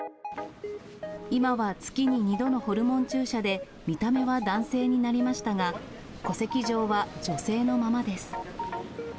今は月に２度のホルモン注射で見た目は男性になりましたが、戸籍上は女性のままです。